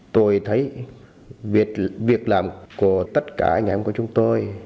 tôi thấy việc làm của tất cả anh em của chúng tôi